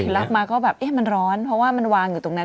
รับมาก็แบบเอ๊ะมันร้อนเพราะว่ามันวางอยู่ตรงนั้น